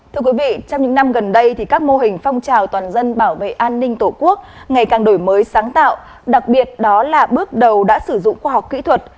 thưa quý vị trong những năm gần đây các mô hình phong trào toàn dân bảo vệ an ninh tổ quốc ngày càng đổi mới sáng tạo đặc biệt đó là bước đầu đã sử dụng khoa học kỹ thuật